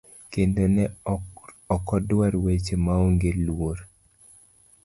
kendo ne okodwar weche maonge luor.